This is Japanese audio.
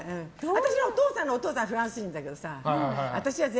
私のお父さんのお父さんはフランス人だけどさ。